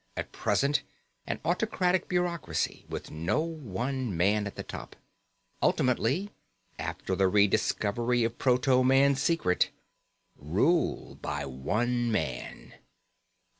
At present, an autocratic bureaucracy with no one man at the top. Ultimately, after the rediscovery of proto man's secret rule by one man.